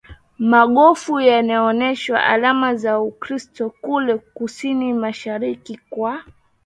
maghofu yanaonyesha alama za Ukristo kule KusiniMashariki kwa